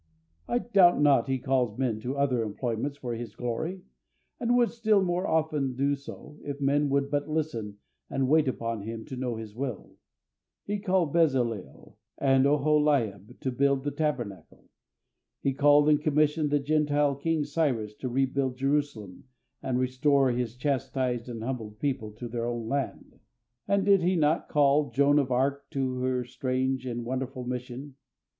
I doubt not He calls men to other employments for His glory, and would still more often do so, if men would but listen and wait upon Him to know His will. He called Bezaleel and Aholiab to build the tabernacle. He called and commissioned the Gentile king, Cyrus, to rebuild Jerusalem and restore His chastised and humbled people to their own land. And did He not call Joan of Arc to her strange and wonderful mission?